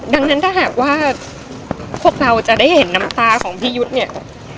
ดังนั้นถ้าหากว่าพวกเราจะได้เห็นน้ำตาของพี่ยุทธ์เนี่ย